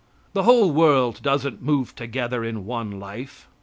The whole world doesn't move together in one life.